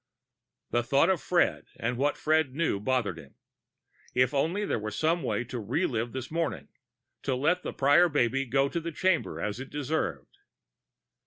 The thought of Fred and what Fred knew bothered him. If only there were some way to relive this morning, to let the Prior baby go to the chamber as it deserved....